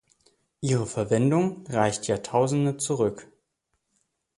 Ihre Verwendung reicht Jahrtausende zurück.